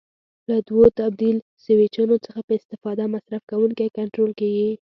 له دوو تبدیل سویچونو څخه په استفاده مصرف کوونکی کنټرول کېږي.